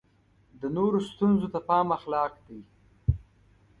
د نورو ستونزو ته پام اخلاق دی.